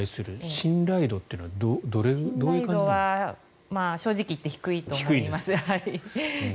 信頼度は正直言って低いと思います。